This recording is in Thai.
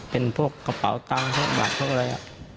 เป็นพวกกระเป๋าตังค์พวกบัตรพวกอะไร